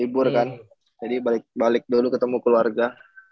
libur kan jadi balik balik dulu ketemu keluarga